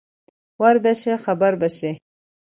ور به شې خبر به شې.